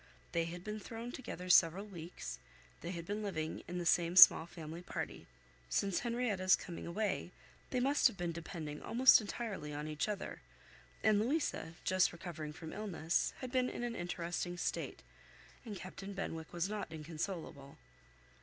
They had been thrown together several weeks; they had been living in the same small family party: since Henrietta's coming away, they must have been depending almost entirely on each other, and Louisa, just recovering from illness, had been in an interesting state, and Captain Benwick was not inconsolable.